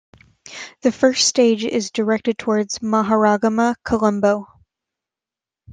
The first stage is directed towards Maharagama - Colombo.